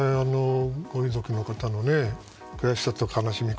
ご遺族の方の悔しさと悲しみ